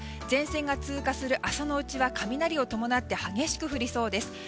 前線が通過する朝のうちは雷を伴って激しく降りそうです。